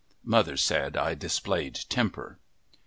Mother said I displayed temper.